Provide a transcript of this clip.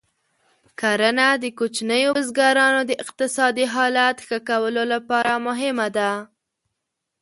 کرنه د کوچنیو بزګرانو د اقتصادي حالت ښه کولو لپاره مهمه ده.